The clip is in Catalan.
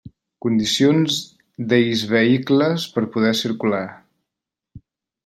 Condicions deis vehicles per poder circular.